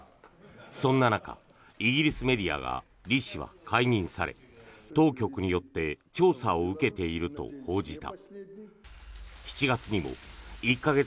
そんな中、イギリスメディアがリ氏は解任され当局によって調査を受けていると報じた。